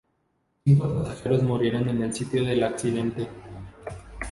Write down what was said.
Cinco pasajeros murieron en el sitio del accidente.